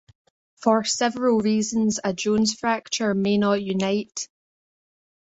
For several reasons, a Jones fracture may not unite.